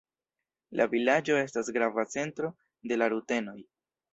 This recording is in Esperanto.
La vilaĝo estas grava centro de la rutenoj.